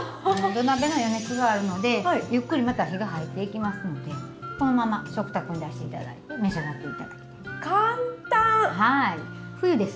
土鍋の余熱があるのでゆっくりまた火が入っていきますのでこのまま食卓に出していただいて召し上がっていただきたい。